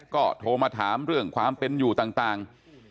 ก็โทรมาถามเรื่องความเป็นอยู่ต่าง